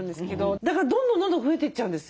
だからどんどんどんどん増えていっちゃうんですよ。